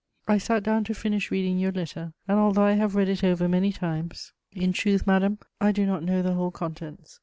I sat down to finish reading your letter, and, although I have read it over many times, in truth, madame, I do not know the whole contents.